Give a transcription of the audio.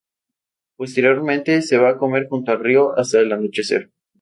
Posteriormente se va a comer junto al río hasta el anochecer.